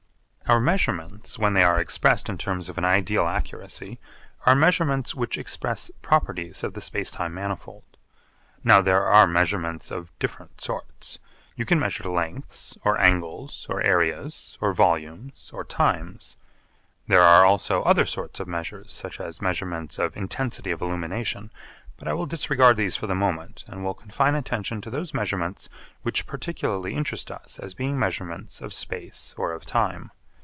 Our measurements when they are expressed in terms of an ideal accuracy are measurements which express properties of the space time manifold. Now there are measurements of different sorts. You can measure lengths, or angles, or areas, or volumes, or times. There are also other sorts of measures such as measurements of intensity of illumination, but I will disregard these for the moment and will confine attention to those measurements which particularly interest us as being measurements of space or of time.